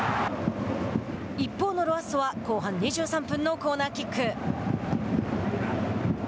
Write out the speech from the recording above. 一方のロアッソは後半２３分のコーナーキック。